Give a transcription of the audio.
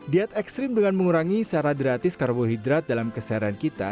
diet ekstrim dengan mengurangi secara gratis karbohidrat dalam keseharian kita